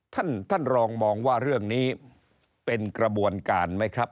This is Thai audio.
ท่านท่านรองมองว่าเรื่องนี้เป็นกระบวนการไหมครับ